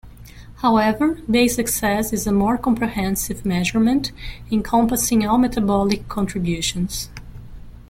However, base excess is a more comprehensive measurement, encompassing all metabolic contributions.